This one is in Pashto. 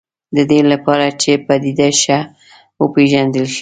د دې لپاره چې پدیده ښه وپېژندل شي.